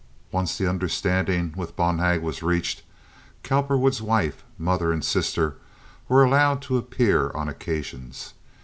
Once the understanding with Bonhag was reached, Cowperwood's wife, mother and sister were allowed to appear on occasions.